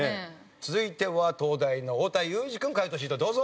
続いては東大の太田裕二君解答シートへどうぞ。